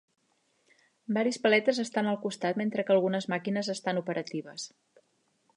Varis paletes estan al costat mentre que algunes màquines estan operatives.